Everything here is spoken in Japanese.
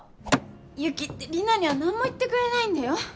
雪ってリナにはなんも言ってくれないんだよ！